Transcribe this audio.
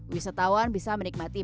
wisatawan bisa menikmati